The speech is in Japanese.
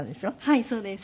はいそうです。